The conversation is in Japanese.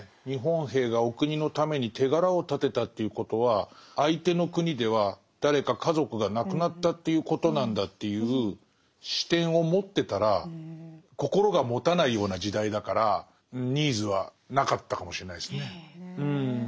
日本兵がお国のために手柄を立てたということは相手の国では誰か家族が亡くなったということなんだという視点を持ってたら心がもたないような時代だからニーズはなかったかもしれないですね。